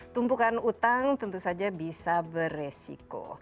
tumpukan utang tentu saja bisa beresiko